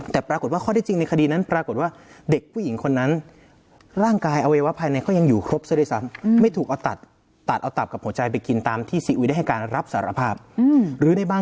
แต่ปรากฏว่าข้อที่จริงในคดีนั้นปรากฏว่าเด็กผู้หญิงคนนั้น